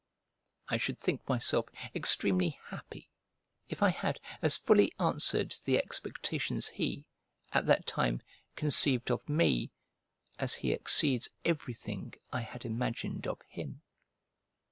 I should think myself extremely happy if I had as fully answered the expectations he, at that time, conceived of me, as he exceeds everything I had imagined of him.